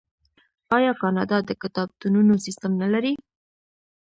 آیا کاناډا د کتابتونونو سیستم نلري؟